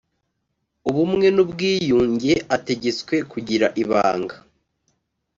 ubumwe n ubwiyunge ategetswe kugira ibanga